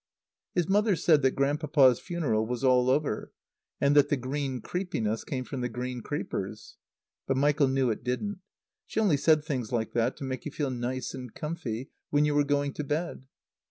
His mother said that Grandpapa's funeral was all over, and that the green creepiness came from the green creepers. But Michael knew it didn't. She only said things like that to make you feel nice and comfy when you were going to bed.